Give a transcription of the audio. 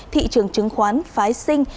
thị trường chứng khoán phái sinh